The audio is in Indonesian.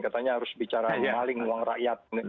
katanya harus bicara maling uang rakyat